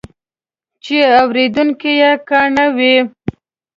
چې اورېدونکي یې کاڼه وي.